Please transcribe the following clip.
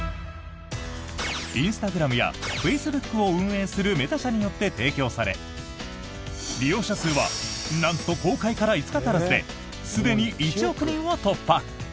インスタグラムやフェイスブックを運営するメタ社によって提供され利用者数はなんと公開から５日足らずですでに１億人を突破。